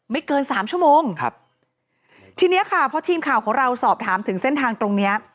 เกินสามชั่วโมงครับทีเนี้ยค่ะพอทีมข่าวของเราสอบถามถึงเส้นทางตรงเนี้ย